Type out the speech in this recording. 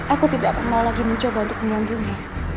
aku tidak akan mau lagi mencoba untuk mengganggu nya